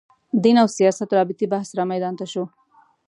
دین او سیاست رابطې بحث رامیدان ته شو